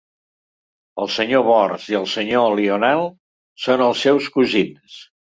El Sr. Bors i el Sr. Lionel són els seus cosins.